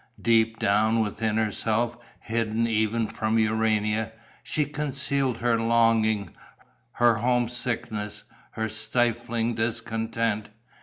Deep down within herself, hidden even from Urania, she concealed her longing, her home sickness, her stifling discontent.